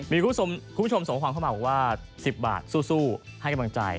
มีคุณผู้ชมส่งความเข้ามาบอกว่า๑๐บาทสู้ให้กำลังใจ